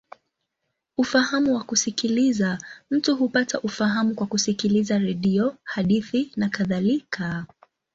Ufahamu wa kusikiliza: mtu hupata ufahamu kwa kusikiliza redio, hadithi, nakadhalika.